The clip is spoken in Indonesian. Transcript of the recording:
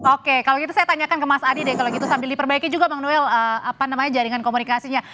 oke kalau gitu saya tanyakan ke mas adi deh kalau gitu sambil diperbaiki juga bang noel apa namanya jaringan komunikasinya